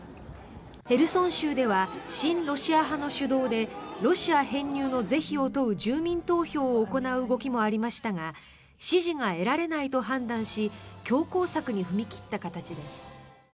ヘルソン州では親ロシア派の主導でロシア編入の是非を問う住民投票を行う動きもありましたが支持が得られないと判断し強硬策に踏み切った形です。